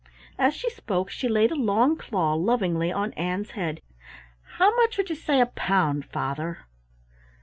As she spoke she laid a long claw lovingly on Ann's head. "How much would you say a pound, father?"